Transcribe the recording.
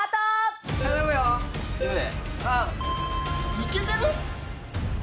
いけてる？